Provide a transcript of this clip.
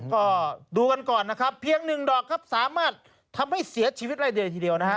ก็ดูกันก่อนนะครับเพียงหนึ่งดอกครับสามารถทำให้เสียชีวิตได้เลยทีเดียวนะฮะ